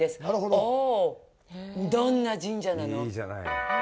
おお、どんな神社なの？